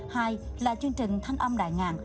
hai là chương trình thanh âm đại ngàn